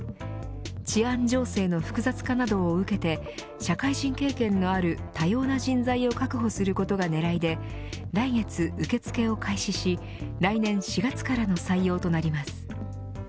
治安情勢の複雑化などを受けて社会人経験のある多様な人材を確保することが狙いで来月受け付けを開始し来年４月からの採用となります。